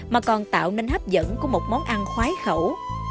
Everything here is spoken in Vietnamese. mà còn tạo nên hấp dẫn của một món ăn khoái khẩu